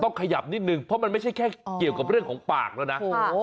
ขยับนิดนึงเพราะมันไม่ใช่แค่เกี่ยวกับเรื่องของปากแล้วนะ